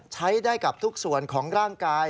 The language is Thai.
ใช้ได้กับทุกส่วนของร่างกาย